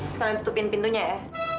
sekarang tutupin pintunya ya